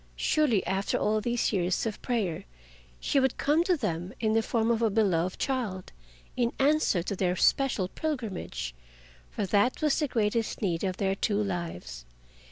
Surely after all these years of prayer she would come to them in the form of a beloved child in answer to their special pilgrimage, for that was the greatest need of their two lives.